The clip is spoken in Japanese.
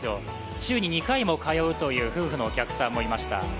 週に２回も通うという夫婦のお客さんもいました。